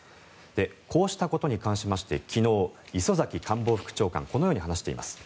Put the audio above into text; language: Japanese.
こうしたことに関しまして昨日磯崎官房副長官このように話しています。